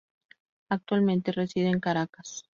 Actualmente reside en Caracas.